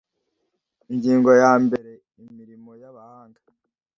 Ingingo ya mbere Imirimo y abahanga